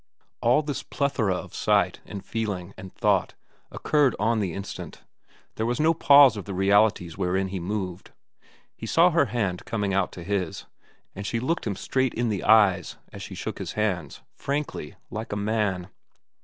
All this plethora of sight, and feeling, and thought occurred on the instant. There was no pause of the realities wherein he moved. He saw her hand coming out to his, and she looked him straight in the eyes as she shook hands, frankly, like a man.